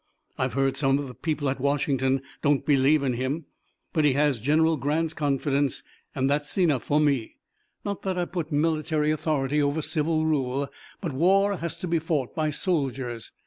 "I've heard some of the people at Washington don't believe in him, but he has General Grant's confidence and that's enough for me. Not that I put military authority over civil rule, but war has to be fought by soldiers.